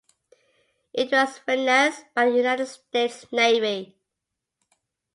It was financed by the United States Navy.